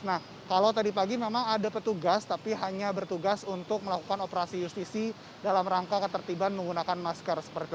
nah kalau tadi pagi memang ada petugas tapi hanya bertugas untuk melakukan operasi justisi dalam rangka ketertiban menggunakan masker seperti itu